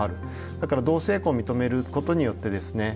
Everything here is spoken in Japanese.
だから同性婚を認めることによってですね